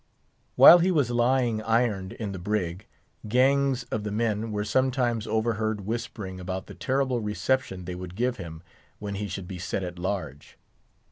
While he was lying ironed in the "brig," gangs of the men were sometimes overheard whispering about the terrible reception they would give him when he should be set at large.